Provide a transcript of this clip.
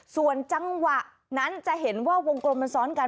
ส่วนจังหวะนั้นจะเห็นว่าวงกลมมันซ้อนกัน